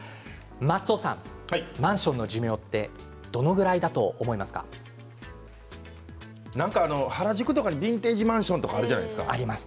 松尾さん、マンションの寿命ってなんか原宿とかにビンテージマンションがあるじゃないですか。